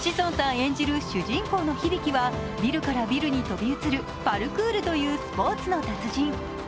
演じる主人公のヒビキはビルからビルに飛び移るパルクールというスポーツの達人。